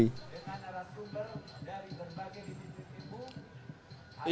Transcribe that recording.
dengan arah sumber dari berbagai institusi umum